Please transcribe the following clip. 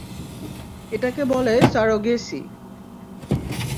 এটাকে বলে সারোগেসি।